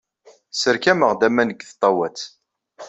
Sserkameɣ-d aman deg tṭawat.